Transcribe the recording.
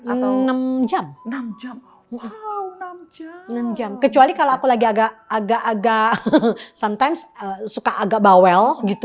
enggan enam jam enam jam wow kecuali kalau aku lagi agak agak agak agak reagashi suka agak bawel gitu